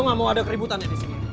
gue gak mau ada keributannya disini